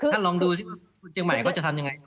ท่านลองดูสิว่าคนเชียงใหม่เขาจะทำยังไง